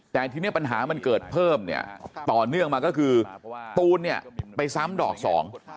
แต่ทีนี้ปัญหามันเกิดเพิ่มเนี่ยต่อเนื่องมาก็คือตูนเนี่ยไปซ้ำดอกสอง